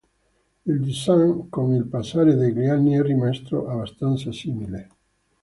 Il "design", con il passare degli anni, è rimasto abbastanza simile.